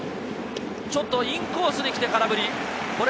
ちょっとインコースに来て空振り。